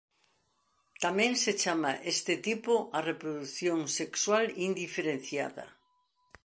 Tamén se chama este tipo a reprodución sexual indiferenciada.